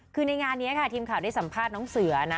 คือในงานนี้ค่ะทีมข่าวได้สัมภาษณ์น้องเสือนะ